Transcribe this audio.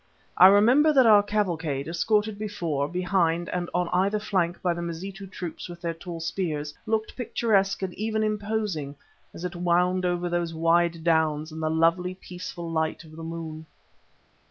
I remember that our cavalcade, escorted before, behind and on either flank by the Mazitu troops with their tall spears, looked picturesque and even imposing as it wound over those wide downs in the lovely and peaceful light of the moon.